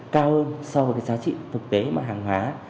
cao hơn so với cái giá trị thực tế mà hàng hóa